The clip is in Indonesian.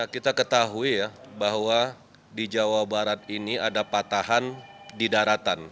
kita ketahui ya bahwa di jawa barat ini ada patahan di daratan